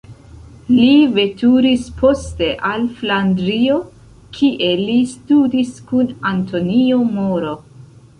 Li veturis poste al Flandrio, kie li studis kun Antonio Moro.